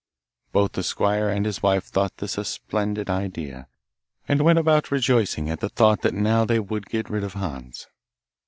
Both the squire and his wife thought this a splendid idea, and went about rejoicing at the thought that now they would get rid of Hans.